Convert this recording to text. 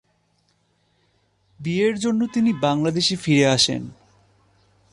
বিয়ের জন্য তিনি বাংলাদেশে ফিরে আসেন।